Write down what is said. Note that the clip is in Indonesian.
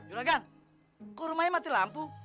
juragan kok rumahnya mati lampu